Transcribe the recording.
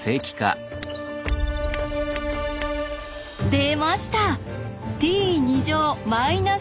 出ました。